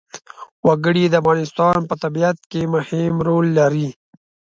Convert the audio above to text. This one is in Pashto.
وګړي د افغانستان په طبیعت کې مهم رول لري.